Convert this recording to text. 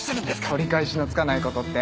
取り返しのつかないことって？